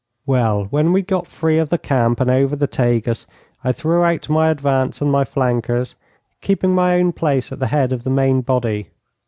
Well, when we got free of the camp and over the Tagus, I threw out my advance and my flankers, keeping my own place at the head of the main body.